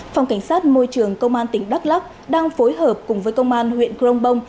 phòng cảnh sát môi trường công an tỉnh đắk lắc đang phối hợp cùng với công an huyện crong bông